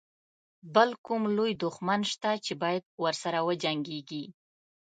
بل کوم لوی دښمن شته چې باید ورسره وجنګيږي.